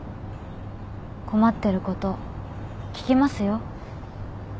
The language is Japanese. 困ってること聞きますよ。